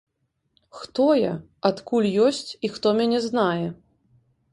Хто я, адкуль ёсць і хто мяне знае?